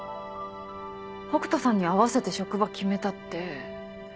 北斗さんに合わせて職場決めたって。